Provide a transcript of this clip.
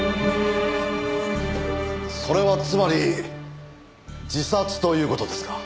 それはつまり自殺という事ですか？